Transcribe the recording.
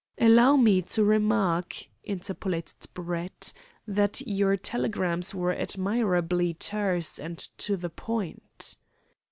"Allow me to remark," interpolated Brett, "that your telegrams were admirably terse and to the point."